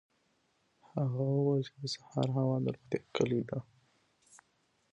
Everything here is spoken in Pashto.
هغه وویل چې د سهار هوا د روغتیا کلي ده.